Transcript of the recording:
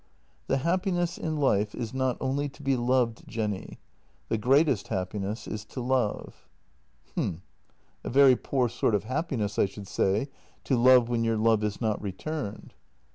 " The happiness in life is not only to be loved, Jenny; the greatest happiness is to love." " H'm. A very poor sort of happiness, I should say, to love when your love is not returned."